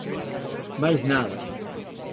Máis nada.